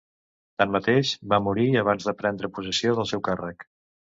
Tanmateix, va morir abans de prendre possessió del seu càrrec.